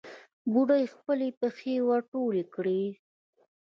بوډۍ خپلې پښې ور ټولې کړې.